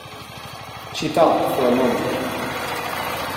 She thought for a moment.